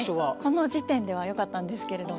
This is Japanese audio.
この時点ではよかったんですけれども。